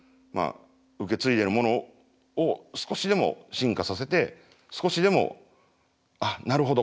受け継いでるものを少しでも進化させて少しでも「ああなるほど。